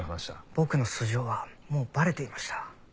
僕の素性はもうバレていました。